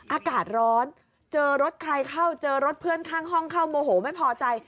อากาศร้อนเจอรถใครเข้าเจอรถเพื่อนข้างห้องเข้าโมโหไม่พอใจ